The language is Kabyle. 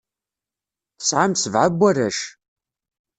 Tesɛam sebɛa n warrac.